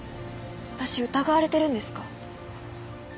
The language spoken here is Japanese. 私疑われてるんですか？